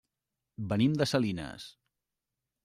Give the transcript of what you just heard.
Venim de Salinas.